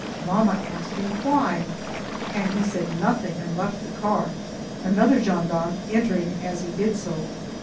Mamma asked him why, but he said nothing and left the car, another gendarme entering as he did so.